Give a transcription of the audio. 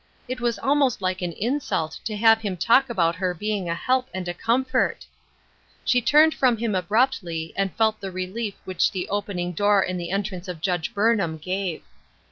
It was almost like an insult to have him talk about her being a help and a comfort ! She turned from him abruptly, and felt the relief which the opening door and the entrance of Judge Burnham gave.